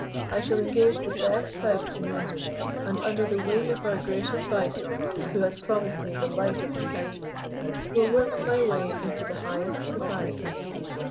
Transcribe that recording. I shall engage the best house in London, and under the wing of our gracious Viceroy, who has promised me the light of his countenance, will work my way into the highest society.